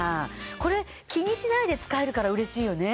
これ気にしないで使えるから嬉しいよね。